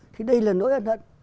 thì đây là nỗi ân hận